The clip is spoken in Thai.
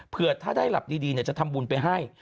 เพื่อถ้าได้หลับดีจะทำบุญไปให้